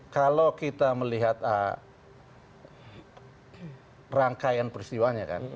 kalau kita melihat rangkaian peristiwanya kan